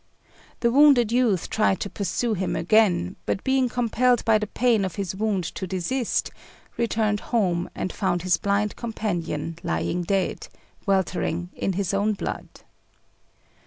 The wounded youth tried to pursue him again, but being compelled by the pain of his wound to desist, returned home and found his blind companion lying dead, weltering in his own blood.